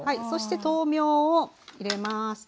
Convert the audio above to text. そして豆苗を入れます。